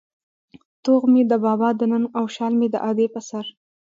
توغ مې د بابا د ننگ او شال مې د ادې په سر